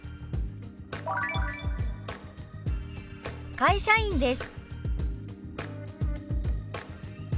「会社員です」。